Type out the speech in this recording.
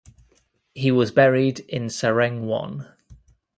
He was buried in Sareung-won.